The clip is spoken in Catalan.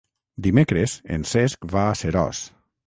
Dimecres en Cesc va a Seròs.